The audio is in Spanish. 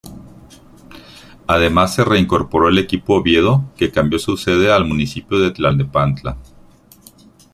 Además se reincorporó el equipo Oviedo, que cambió su sede al municipio de Tlalnepantla.